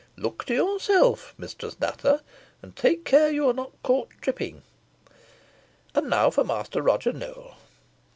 Look to yourself, Mistress Nutter, and take care you are not caught tripping. And now, for Master Roger Nowell."